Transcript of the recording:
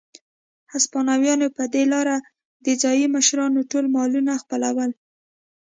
هسپانویانو په دې لارې د ځايي مشرانو ټول مالونه خپلول.